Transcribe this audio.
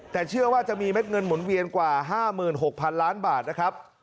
แต่เชื่อว่าจะมีเม็ดเงินหมุนเวียนกว่า๕๖๐๐๐ล้านบาทนะครับ